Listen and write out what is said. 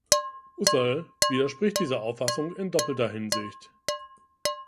Husserl widerspricht dieser Auffassung in doppelter Hinsicht.